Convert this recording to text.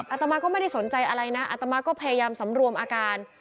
อาตมาก็ไม่ได้สนใจอะไรนะอัตมาก็พยายามสำรวมอาการ